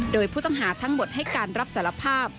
โดยผู้ต้องหาทั้งหมดให้การรับสารภาพ